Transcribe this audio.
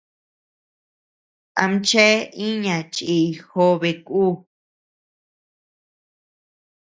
Amchea iña chiʼiy jobe ku.